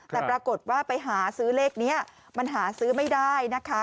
แต่ปรากฏว่าไปหาซื้อเลขนี้มันหาซื้อไม่ได้นะคะ